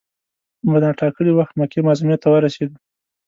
په نا ټا کلي وخت مکې معظمې ته ورسېدو.